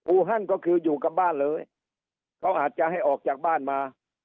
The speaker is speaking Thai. ฮันก็คืออยู่กับบ้านเลยเขาอาจจะให้ออกจากบ้านมา